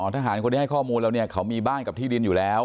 ทหารคนที่ให้ข้อมูลเราเนี่ยเขามีบ้านกับที่ดินอยู่แล้ว